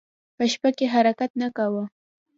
په شپه کې حرکت نه کاوه.